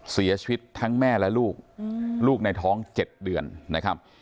เสียชีวิตทั้งแม่และลูกลูกในท้อง๗เดือนนะครับ